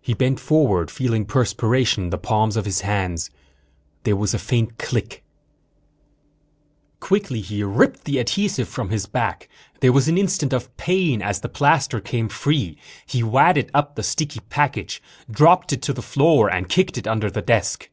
He bent forward, feeling perspiration in the palms of his hands. There was a faint click._ Quickly he ripped the adhesive from his back. There was an instant of pain as the plaster came free. He wadded up the sticky package, dropped it to the floor and kicked it under the desk.